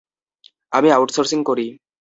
আমি আউটসোর্সিং করি।